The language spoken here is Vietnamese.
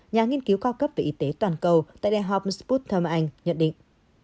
nhà nghiên cứu cao cấp về y tế toàn cầu tại the homes putnam anh nhận định